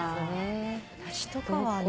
私とかはね。